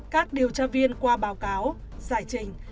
các điều tra viên qua báo cáo giải trình